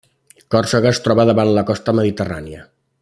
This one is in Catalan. Còrsega es troba davant la costa mediterrània.